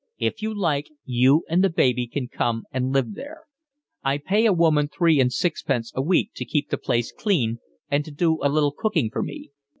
If you like you and the baby can come and live there. I pay a woman three and sixpence a week to keep the place clean and to do a little cooking for me.